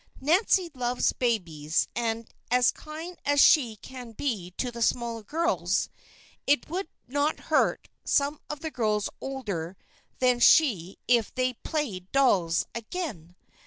Nancy loves babies, and is as kind as she can be to the smaller girls. It would not hurt some of the girls older than she if they 'played dolls' again.